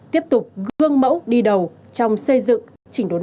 tiếp tục gương mẫu đi đầu trong xây dựng chỉnh đốn đảng